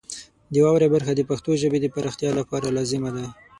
د واورئ برخه د پښتو ژبې د پراختیا لپاره لازمه ده.